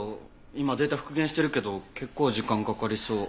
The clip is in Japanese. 今データ復元してるけど結構時間かかりそう。